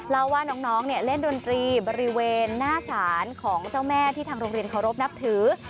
เล่าว่าน้องเล่นดนตรีบริเวณหน้าศาลของเจ้าแม่ที่ทางโรงเรียนเคารพนับถือ